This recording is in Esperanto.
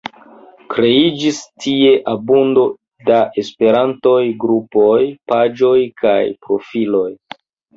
Kreiĝis tie abundo da Esperantaj grupoj, paĝoj kaj profiloj.